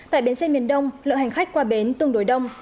tại bến xe miền đông lượng hành khách qua bến tương đối đông